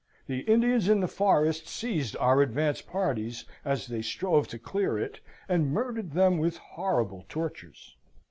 The Indians in the forest seized our advanced parties as they strove to clear it, and murdered them with horrible tortures.